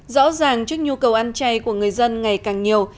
rõ ràng trước nhu cầu ăn chay của người dân ngày càng nhiều